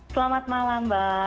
selamat malam mbak